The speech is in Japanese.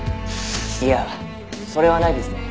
「いやそれはないですね」